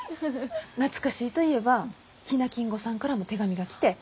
懐かしいといえば喜納金吾さんからも手紙が来て。